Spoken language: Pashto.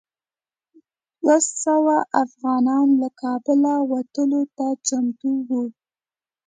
دوه سوه افغانان له کابله وتلو ته چمتو وو.